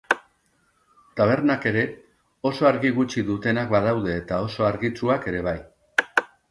Tabernak ere, oso argi gutxi dutenak badaude eta oso argitsuak ere bai.